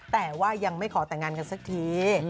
แต่ว่ายังไม่ขอแต่งงานกันสักที